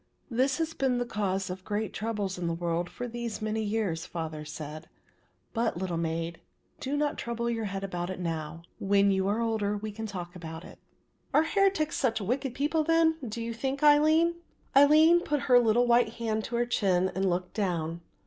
"'This has been the cause of great troubles in the world for these many years,' father said, 'but, little maid, do not trouble your head about it now; when you are older we can talk about it.'" "Are the heretics such very wicked people then, do you think, Aline?" Aline put her little white hand to her chin and looked down.